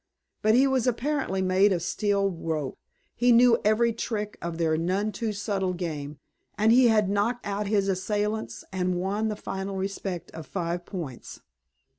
But he was apparently made of steel rope, he knew every trick of their none too subtle "game," and he had knocked out his assailants and won the final respect of Five Points.